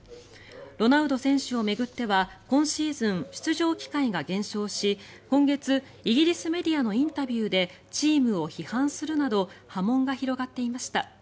ロナウド選手を巡っては今シーズン出場機会が減少し今月、イギリスメディアのインタビューでチームを批判するなど波紋が広がっていました。